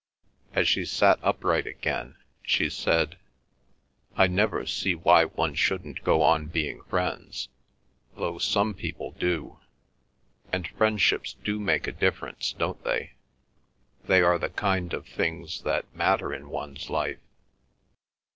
As she sat upright again, she said, "I never see why one shouldn't go on being friends—though some people do. And friendships do make a difference, don't they? They are the kind of things that matter in one's life?"